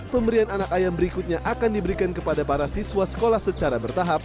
pemberian anak ayam berikutnya akan diberikan kepada para siswa sekolah secara bertahap